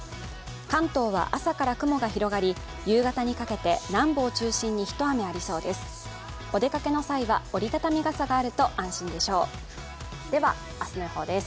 関東は朝から雲が広がり夕方にかけて中心中心に一雨ありそうです。